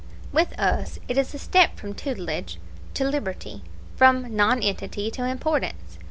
With us it is a step from tutelage to liberty from nonentity to importance.